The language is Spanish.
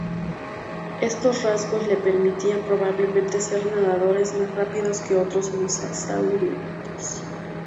Estos rasgos le permitían probablemente ser nadadores más rápidos que otros mosasáuridos.